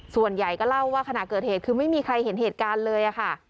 ส่วนใหญ่ก็เล่าว่าขณะเกิดเหตุคือไม่มีใครเห็นเหตุการณ์เลยค่ะ